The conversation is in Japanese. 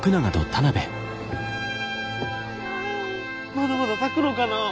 まだまだ咲くのかな？